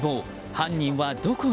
犯人はどこへ？